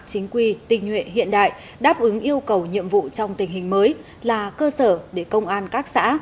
chính quy tình nguyện hiện đại đáp ứng yêu cầu nhiệm vụ trong tình hình mới là cơ sở để công an các xã